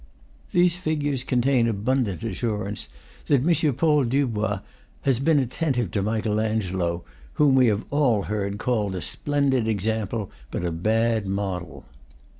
These figures con tain abundant assurance that M. Paul Dubois has been attentive to Michael Angelo, whom we have all heard called a splendid example but a bad model.